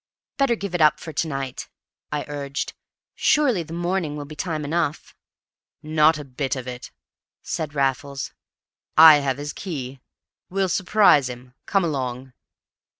"Better give it up for to night," I urged. "Surely the morning will be time enough!" "Not a bit of it," said Raffles. "I have his key. We'll surprise him. Come along."